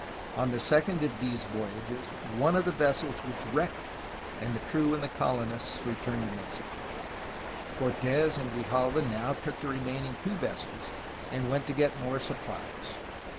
On the second of these voy ages one of the vessels was wrecked, and the crew and the colonists returned to Mexico. Cortes and Grijalva now took the remaining two vessels, and went to get more supplies.